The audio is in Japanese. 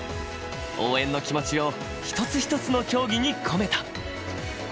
応援の気持ちを一つ一つの競技に込めた。